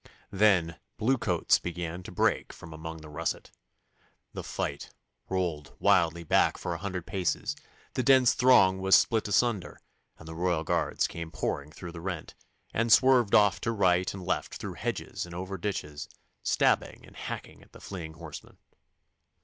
Then blue coats began to break from among the russet, the fight rolled wildly back for a hundred paces, the dense throng was split asunder, and the Royal Guards came pouring through the rent, and swerved off to right and left through hedges and over ditches, stabbing and hacking at the fleeing horsemen.